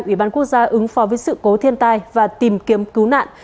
ủy ban quốc gia ứng phó với sự cố thiên tai và tìm kiếm cứu nạn